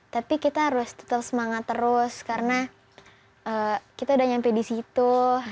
tapi kita harus tetap semangat terus karena kita udah nyampe di situ